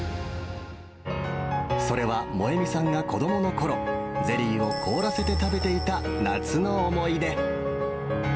それは萌美さんが子どものころ、ゼリーを凍らせて食べていた夏の思い出。